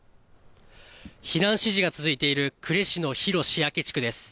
避難指示が続いている呉市の広塩焼地区です。